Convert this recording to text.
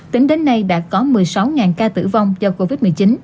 tính đến nay đã có một mươi sáu ca tử vong do covid một mươi chín